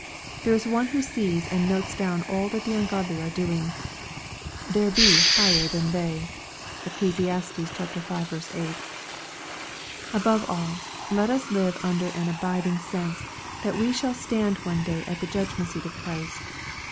There is one who sees and notes down all that the ungodly are doing. " There be higher than they." (Eccles. V. 8.) Above all, let us live under an abiding sense, that we shall stand one day at the judgment seat of Christ.